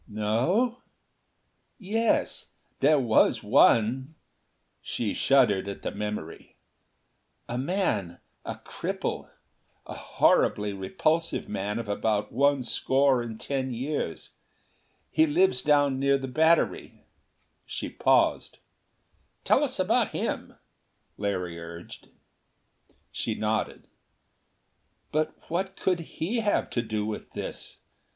"No yes, there was one." She shuddered at the memory. "A man a cripple a horribly repulsive man of about one score and ten years. He lives down near the Battery." She paused. "Tell us about him," Larry urged. She nodded. "But what could he have to do with this?